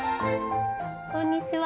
こんにちは。